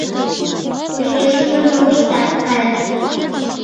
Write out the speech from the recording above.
почешыже молыштат кайышт.